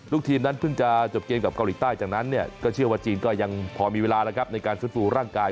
ลูกทีมนั้นพึ่งจะจบเกมกับเกาหลีใต้จากนั้นก็เชื่อว่าจีนก็ยังพอมีเวลาในการฟื้นฟูร่างกาย